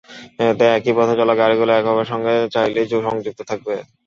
এতে একই পথে চলা গাড়িগুলো একে অপরের সঙ্গে চাইলে সংযুক্তও থাকবে।